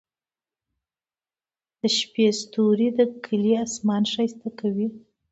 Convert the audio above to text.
د شپې ستوري د کلي اسمان ښايسته کوي.